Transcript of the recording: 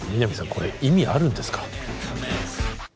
これ意味あるんですか？